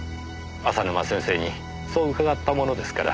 浅沼先生にそう伺ったものですから。